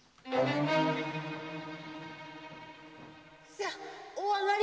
さお上がり！